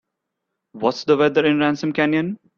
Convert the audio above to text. What's the weather in Ransom Canyon?